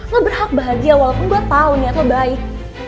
lo berhak bahagia walaupun gue tau niat lo baik